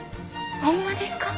ホンマですか？